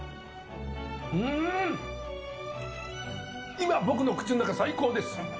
今、僕の口の中、最高です！